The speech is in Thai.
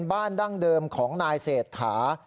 ดั้งเดิมของนายเศรษฐา